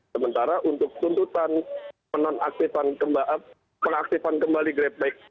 sementara untuk tuntutan penonaktifan kembali grabbike